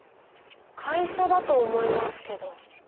会社だと思いますけど。